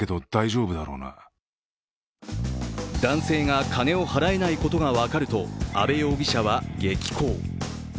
男性が金を払えないことが分かると、阿部容疑者は激高。